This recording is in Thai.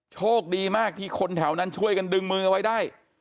โชคดีมากที่คนแถวนั้นช่วยกันดึงมือเอาไว้ได้